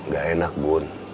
gak enak bun